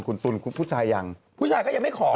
คุณตุ๋นผู้ชายยังผู้ชายก็ยังไม่ขอ